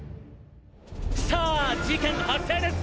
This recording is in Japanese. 「さぁ事件発生です！